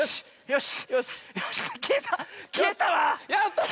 よし。